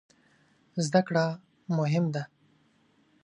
زده کړه مهم ده